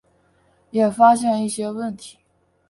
也发现一些问题